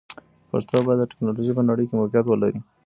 پښتو باید د ټکنالوژۍ په نړۍ کې موقعیت ولري.